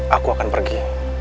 aku akan pergi